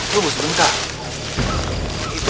saya sudah ada hal berikutnya